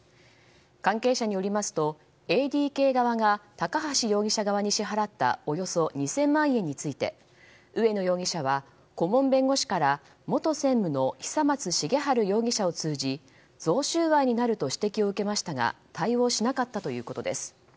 関係者によりますとＡＤＫ側が高橋容疑者側に支払ったおよそ２０００万円について植野容疑者は顧問弁護士から元専務の久松茂治容疑者を通じ贈収賄になると指摘を受けましたが対応しなかったということです。